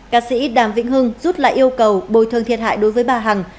cá sĩ đàm vĩnh hưng rút lại yêu cầu bồi thương thiệt hại đối với bà hằng